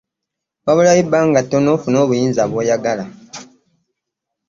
Wabulayo ebangga tono ofune obuyinza bw'oyagala.